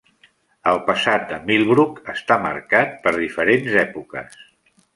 El passat de Millbrook està marcat per diferents èpoques.